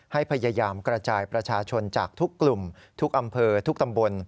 ให้พยายามกระจายประชาชนจากทุกกลุ่มทุกอำเภอทุกตำบล